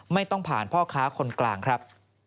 ไม่ต้องผ่านพ่อค้าคนกลางครับ